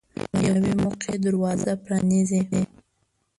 یوه نوې موقع دروازه پرانیزي.